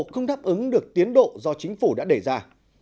không đáp ứng được tiến độ do chính phủ đã đề ra